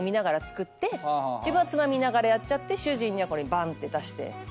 自分はつまみながらやって主人にはこればんって出して。